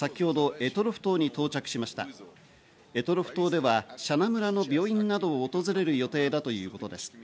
択捉島では紗那村の病院などを訪れる予定だということです。